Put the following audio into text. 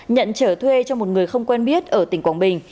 nhận trở thuê cho một người không quen biết ở tỉnh quảng bình